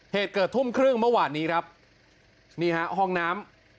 เหตุเกิดทุ่มครึ่งเมื่อวานนี้ครับนี่ฮะห้องน้ำ